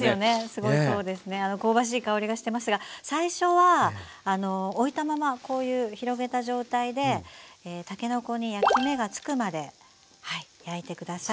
すごいそうですね香ばしい香りがしてますが最初はおいたままこういう広げた状態でたけのこに焼き目がつくまで焼いてください。